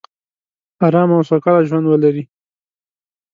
ارامه او سوکاله ژوندولري